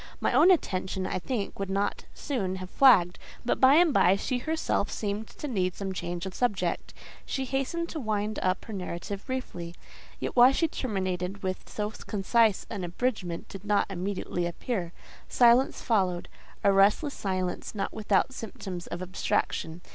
My own attention I think would not soon have flagged, but by and by, she herself seemed to need some change of subject; she hastened to wind up her narrative briefly. Yet why she terminated with so concise an abridgment did not immediately appear; silence followed—a restless silence, not without symptoms of abstraction.